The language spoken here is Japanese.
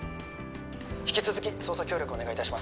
引き続き捜査協力お願いいたします。